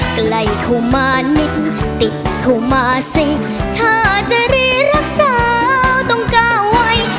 ใกล้ทุมานิดติดทุมาสิถ้าจะรีรักษาต้องก้าวไว้